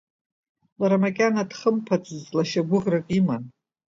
Лара макьана дхымԥацызт, лашьа гәыӷрак иман.